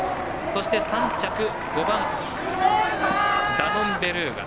そして３着５番、ダノンベルーガ。